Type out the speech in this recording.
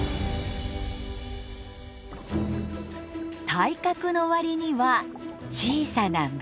体格のわりには小さな目。